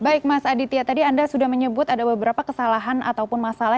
baik mas aditya tadi anda sudah menyebut ada beberapa kesalahan ataupun masalah